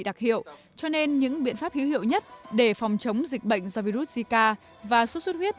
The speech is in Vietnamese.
đặc hiệu cho nên những biện pháp hữu hiệu nhất để phòng chống dịch bệnh do virus zika và sốt suốt huyết